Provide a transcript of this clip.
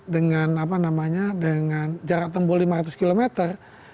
dengan apa namanya dengan jarak tempuh lima ratus kilometer